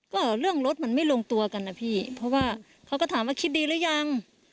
ก็เรื่องรถมันไม่ลงตัวกันนะพี่เพราะว่าเขาก็ถามว่าคิดดีหรือยัง